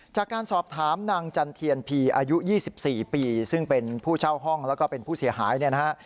จากการสอบถามนางจันเทียนพีอายุ๒๔ปีซึ่งเป็นผู้เช่าห้องแล้วก็เป็นผู้เสียหายเนี่ยนะฮะ